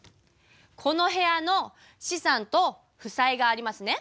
この部屋の資産と負債がありますね。